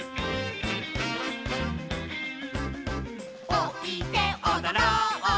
「おいでおどろう」